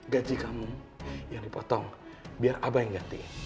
gaji kamu yang dipotong biar apa yang ganti